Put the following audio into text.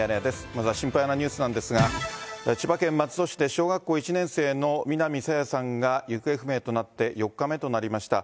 まずは心配なニュースなんですが、千葉県松戸市で、小学校１年生の南朝芽さんが行方不明となって４日目となりました。